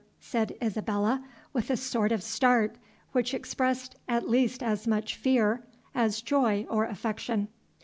said Isabella, with a sort of start, which expressed at least as much fear, as joy or affection.